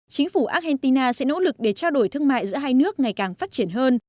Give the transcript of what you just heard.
chính phủ argentina sẽ nỗ lực để trao đổi thương mại giữa hai nước ngày càng phát triển hơn